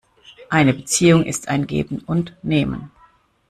Eine Beziehung ist ein Geben und Nehmen.